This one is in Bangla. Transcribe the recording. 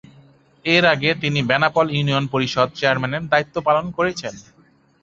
এর আগে তিনি বেনাপোল ইউনিয়ন পরিষদ চেয়ারম্যানের দায়িত্ব পালন করেছেন।